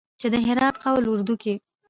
چې د هرات قول اردو کې